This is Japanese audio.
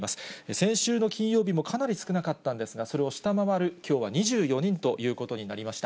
先週の金曜日もかなり少なかったんですが、それを下回る、きょうは２４人ということになりました。